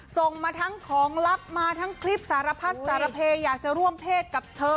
ส่งมาทั้งของลับมาทั้งคลิปสารพัดสารเพอยากจะร่วมเพศกับเธอ